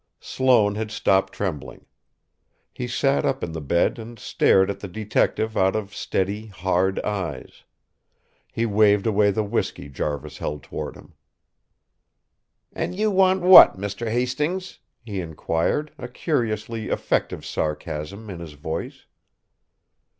Sloane had stopped trembling. He sat up in the bed and stared at the detective out of steady, hard eyes. He waved away the whiskey Jarvis held toward him. "And you want what, Mr. Hastings?" he inquired, a curiously effective sarcasm in his voice.